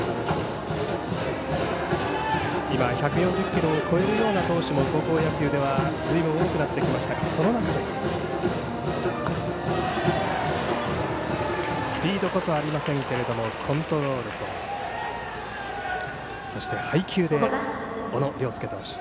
１４０キロを超えるような投手も高校野球ではずいぶん多くなってきましたがその中でスピードこそありませんけどもコントロールとそして配球で小野涼介投手